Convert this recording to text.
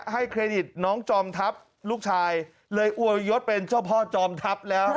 เครดิตน้องจอมทัพลูกชายเลยอวยยศเป็นเจ้าพ่อจอมทัพแล้ว